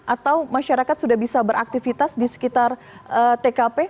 atau masyarakat sudah bisa beraktivitas di sekitar tkp